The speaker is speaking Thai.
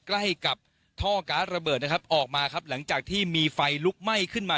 ใกล้กับท่อการ์ดระเบิดนะครับออกมาครับหลังจากที่มีไฟลุกไหม้ขึ้นมา